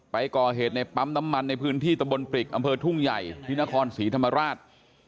ไปก่อเหตุในปั๊มน้ำมันในพื้นที่ตะบนปริกอำเภอทุ่งใหญ่ที่นครศรีธรรมราช